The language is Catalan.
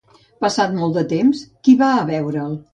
Passat molt de temps, qui va a veure'l?